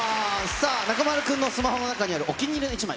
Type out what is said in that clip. さあ、中丸君のスマホの中にあるお気に入りの一枚。